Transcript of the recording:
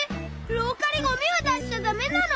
ろうかにゴミをだしちゃだめなの？